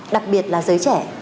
đặc biệt là giới trẻ